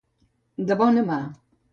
De bona mà.